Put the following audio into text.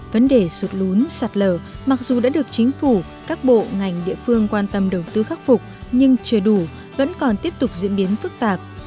vấn đề sụt lún sạt lở mặc dù đã được chính phủ các bộ ngành địa phương quan tâm đầu tư khắc phục nhưng chưa đủ vẫn còn tiếp tục diễn biến phức tạp